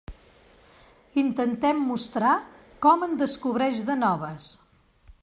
Intentem mostrar com en descobreix de noves.